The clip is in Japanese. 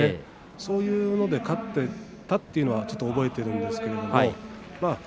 そういうので勝っていたというのは覚えているんです。